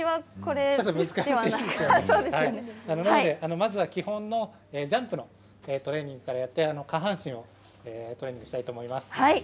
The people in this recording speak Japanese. まずは基本のジャンプのトレーニングからやって下半身をトレーニングしたいと思います。